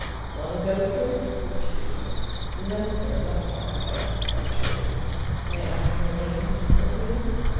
"Long ago, sir?" he pursued. "No, sir; not long ago," I retorted. "May I ask your name?" said he.